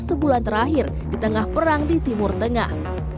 sebulan terakhir di tengah perang di timur tengah